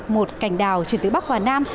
một cảnh đào chuyển từ bắc vào nam